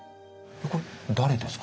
これ誰ですか？